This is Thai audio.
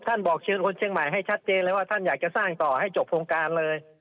บอกเชิญคนเชียงใหม่ให้ชัดเจนเลยว่าท่านอยากจะสร้างต่อให้จบโครงการเลย